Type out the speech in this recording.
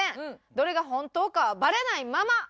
どれが本当かはバレないまま。